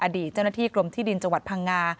อดีตเจ้าหน้าที่กรมที่ดินจังหวัดพังงา